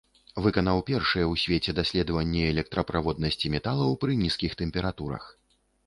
Выканаў першыя ў свеце даследаванні электраправоднасці металаў пры нізкіх тэмпературах.